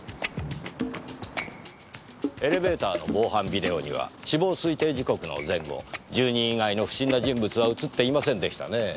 エレベーターの防犯ビデオには死亡推定時刻の前後住人以外の不審な人物は映っていませんでしたねぇ。